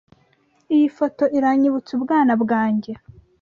Iyi foto iranyibutsa ubwana bwanjye.